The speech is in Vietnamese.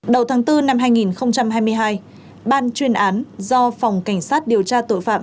đầu tháng bốn năm hai nghìn hai mươi hai ban chuyên án do phòng cảnh sát điều tra tội phạm